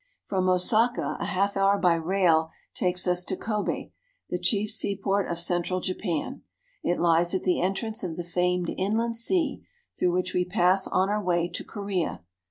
From Osaka a half hour by rail takes us to Kobe, the chief seaport of central Japan. It lies at the entrance of the famed Inland Sea, through which we pass on our way to Korea.